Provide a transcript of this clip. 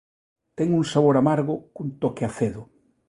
Ten un sabor amargo cun toque acedo.